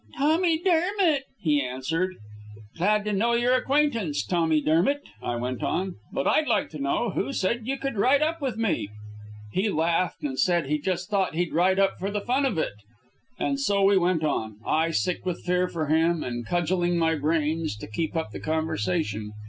"Tommy Dermott," he answered. "Glad to make your acquaintance, Tommy Dermott," I went on. "But I'd like to know who said you could ride up with me?" He laughed and said he just thought he'd ride up for the fun of it. And so we went on, I sick with fear for him, and cudgeling my brains to keep up the conversation.